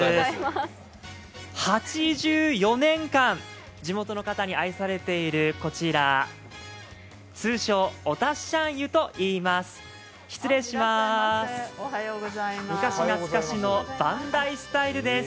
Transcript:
８４年間、地元の方に愛されているこちら通称、おたっしゃん湯といいます。